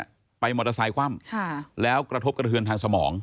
ไปมอเตอร์ไซค์คว่ำค่ะแล้วกระทบกระเทือนทางสมอง